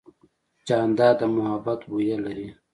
جانداد د محبت بویه لري.